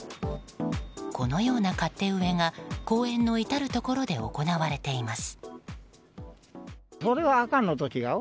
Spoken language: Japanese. このような勝手植えが公園の至るところで行われています。